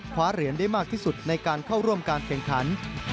คว้าเหรียญได้มากที่สุดในการเข้าร่วมการแข่งขัน